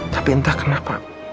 tapi entah kenapa